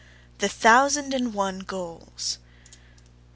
THE THOUSAND AND ONE GOALS.